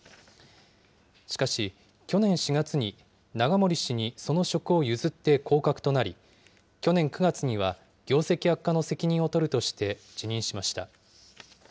しかし、去年４月に永守氏にその職を譲って降格となり、去年９月には、業績悪化の責任を取るとして辞任しました。